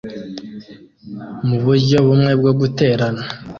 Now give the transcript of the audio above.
Muburyo bumwe bwo guterana